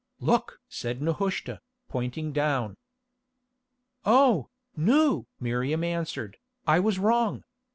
"Look!" said Nehushta, pointing down. "Oh, Nou!" Miriam answered, "I was wrong.